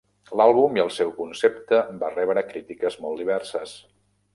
L'àlbum i el seu concepte va rebre crítiques molt diverses.